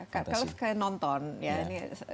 kalau sekalian nonton ya ini sebenarnya apa